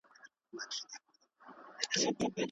تاسي په پښتو کي د لنډو کیسو ليکوالۍ سره مینه لرئ؟